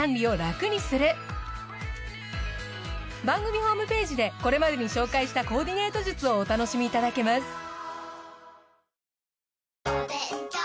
番組ホームページでこれまでに紹介したコーディネート術をお楽しみいただけます。